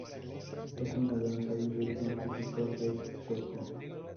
Es una danza y ritmo típico del Chocó.